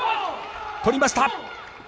取りました！